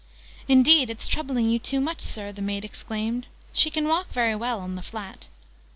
"Indeed it's troubling you too much, Sir!" the maid exclaimed. "She can walk very well on the flat."